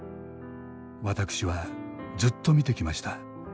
私はずっと見てきました。